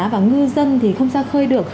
và ngư dân thì không ra khơi được